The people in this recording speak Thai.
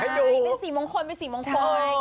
เป็นสีมงคล